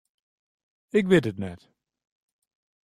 Ik wit it net.